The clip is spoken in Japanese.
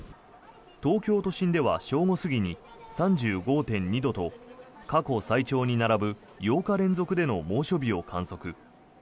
東京都心では正午過ぎに３５．２度と過去最長に並ぶ８日連続での猛暑日を観測。